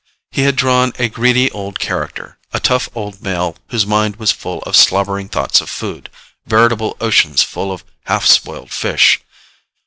He had drawn a greedy old character, a tough old male whose mind was full of slobbering thoughts of food, veritable oceans full of half spoiled fish.